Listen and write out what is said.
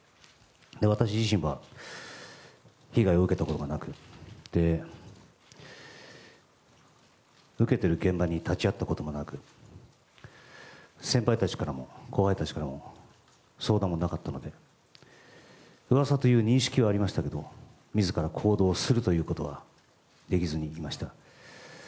私自身は被害を受けたことがなく受けている現場に立ち会ったこともなく先輩たちからも後輩たちからも相談がなかったので噂という認識はありましたけど自ら行動するということはできずにいました。